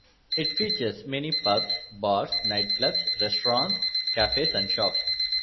It features many pubs, bars, nightclubs, restaurants, cafes and shops.